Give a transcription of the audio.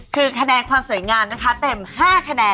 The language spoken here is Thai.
คือคะแนนความสวยงามนะคะเต็ม๕คะแนน